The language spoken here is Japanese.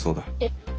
えっ？